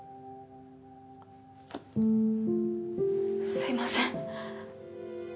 すみません。